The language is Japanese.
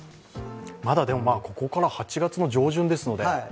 まだここから、８月上旬ですので。